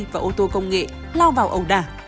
và ô tô công nghệ lo vào ẩu đả